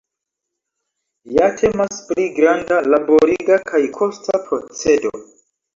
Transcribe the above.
Ja temas pri granda, laboriga kaj kosta procedo.